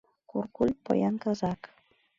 Куркуль — поян казак.